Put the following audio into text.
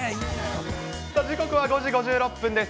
さあ、時刻は５時５６分です。